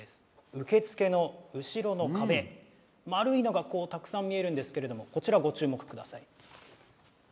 受付の後ろの壁丸いのがたくさん見えるんですけどこちら、ご注目ください。